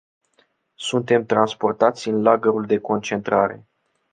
Suntem transportați în lagărul de concentrare.